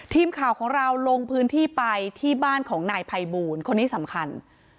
ทีมข่าวของเราลงพื้นที่ไปที่บ้านของนายภัยบูลคนนี้สำคัญ